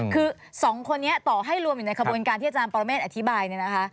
คือ๒คนนี้ต่อให้รวมอยู่ในขบวนการที่อาจารย์ปรเมฆอธิบายเนี่ยนะคะ